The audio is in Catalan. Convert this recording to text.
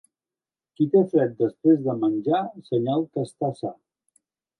Qui té fred després de menjar, senyal que està sa.